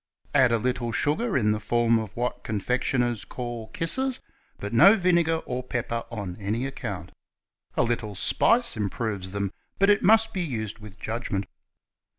Add a little sugar, in the form of what confectioners call Kisses, but no vine gar or pepper on any account. A little spice improves them, Ipnt it must be used with judgment.